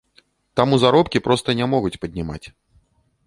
Таму заробкі проста не могуць паднімаць.